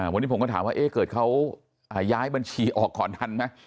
วันนี้ผมก็ถามว่าเกิดเขาย้ายบัญชีออกก่อนทันไหม